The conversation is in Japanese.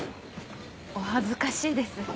お恥ずかしいです。